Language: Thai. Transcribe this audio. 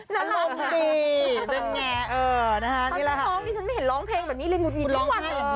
ค่อยมาพร้อมนี่ฉันไม่เห็นร้องเพลงแบบนี้เลยหมดอยู่ทุกวัน